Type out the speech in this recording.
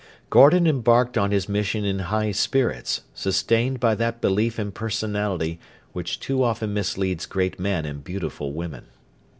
Gordon embarked on his mission in high spirits, sustained by that belief in personality which too often misleads great men and beautiful women.